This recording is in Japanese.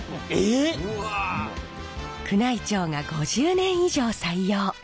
宮内庁が５０年以上採用！